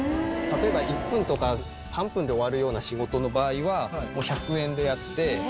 例えば１分とか３分で終わるような仕事の場合はもう１００円でやって。